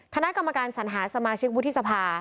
คณะกรรมการสัญหาสมาชิกวุฒิสภา